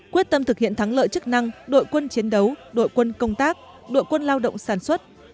quyết tâm thực hiện thắng lợi chức năng đội quân chiến đấu đội quân công tác đội quân lao động sản xuất